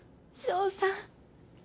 翔さん！